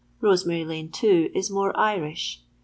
Rosemary lane, too, is more Irish.